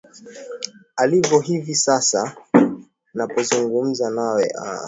alo hivi sasa napozungumza nawe aah